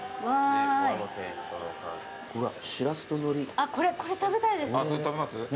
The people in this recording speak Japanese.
あっこれ食べたいです。